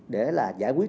để là giải quyết